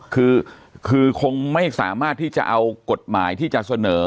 คือคงไม่สามารถที่จะเอากฎหมายที่จะเสนอ